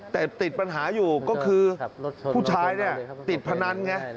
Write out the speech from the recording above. แต่ติดปัญหาอยู่ก็คือผู้ชายเนี่ยติดพนันไง